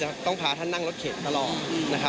จะต้องขาท่านนั่งรถเข็ดตลอด